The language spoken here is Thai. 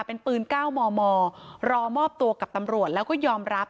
เป็นปืน๙มมรอมอบตัวกับตำรวจแล้วก็ยอมรับ